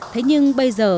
thế nhưng bây giờ